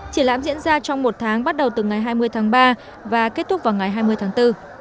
triển lãm diễn ra trong một tháng bắt đầu từ ngày hai mươi tháng ba và kết thúc vào ngày hai mươi tháng bốn